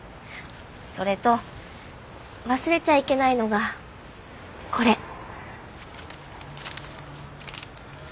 それと忘れちゃいけないのがこれ。